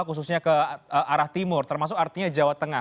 khususnya ke arah timur termasuk artinya jawa tengah